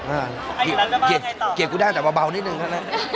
ไอ้ร้านเสื้อผ้าไงต่อเกียรติธรรมกูได้แต่เบาเบานิดหนึ่งน่ะน่ะ